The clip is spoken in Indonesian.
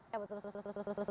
ya betul betul betul